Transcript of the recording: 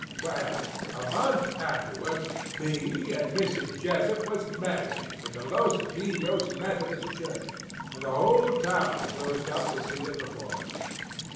"Well, a month afterwards me and Mrs. Jessup was married in the Los Piños Methodist Church; and the whole town closed up to see the performance.